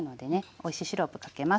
おいしいシロップかけます。